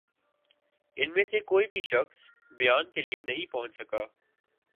ان میں سے کوئی بھِی شخص بیان کے لیے نہیں پہنچ سکا